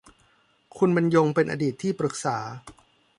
คุณบรรยงเป็นอดีตที่ปรึกษา